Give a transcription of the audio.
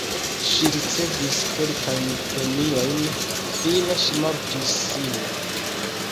Ŝi ricevis kelkajn premiojn, fine ŝi mortis sin.